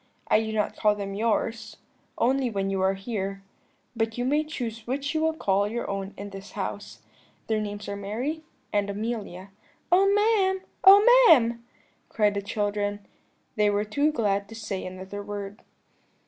I do not call them yours, only when you are here; but you may choose which you will call your own in this house. Their names are Mary and Amelia.' "'Oh, ma'am! Oh, ma'am!' cried the children; they were too glad to say another word.